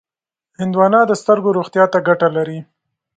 هندوانه د سترګو روغتیا ته ګټه لري.